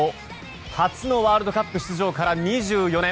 初のワールドカップ出場から２４年。